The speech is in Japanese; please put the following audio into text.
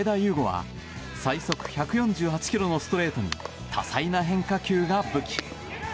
伍は最速１４８キロのストレートに多彩な変化球が武器。